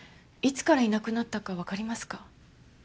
いつからいなくなったかわかりますか？